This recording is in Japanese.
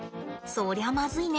そりゃまずいね。